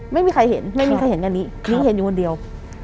ไม่มีใครเห็นไม่มีใครเห็นอันนี้นิ้งเห็นอยู่คนเดียว